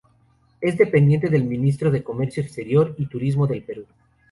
Es dependiente del Ministerio de Comercio Exterior y Turismo del Perú.